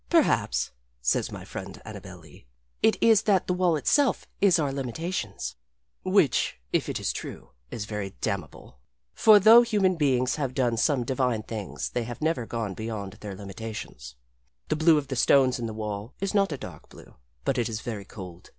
"Perhaps," says my friend Annabel Lee, "it is that the wall itself is our limitations." Which, if it is true, is very damnable. For though human beings have done some divine things they have never gone beyond their limitations. The blue of the stones in the wall is not a dark blue, but it is very cold.